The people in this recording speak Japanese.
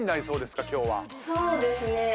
そうですね。